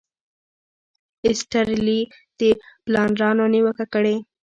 ایسټرلي د پلانرانو نیوکه کړې.